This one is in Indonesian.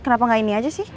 kenapa nggak ini aja sih